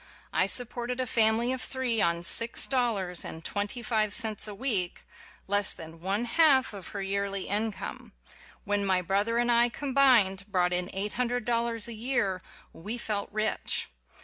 I supported a family of three on six dollars and twenty five cents a week ŌĆö less than one half of her yearly income. When my brother and I, combined, brought in eight hundred dollars a year we felt rich